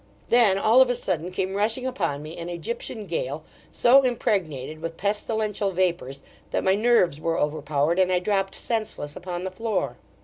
Then, all of a sudden, came rushing upon me an Egyptian gale, so impregnated with pestilential vapours, that my nerves were overpowered, and I dropt senseless upon the floor.